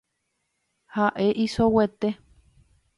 Ha’e isoguete.